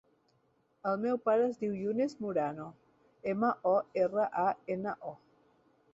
El meu pare es diu Younes Morano: ema, o, erra, a, ena, o.